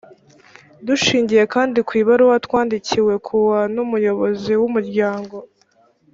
dushingiye kandi ku ibaruwa twandikiwe kuwa n umuyobozi w umuryango